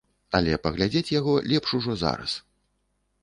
Але паглядзець яго лепш ужо зараз.